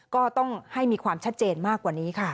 ก็ต้องให้มีความชัดเจนมากกว่านี้ค่ะ